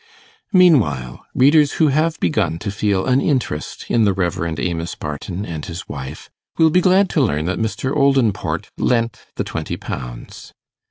Meanwhile, readers who have begun to feel an interest in the Rev. Amos Barton and his wife, will be glad to learn that Mr. Oldinport lent the twenty pounds.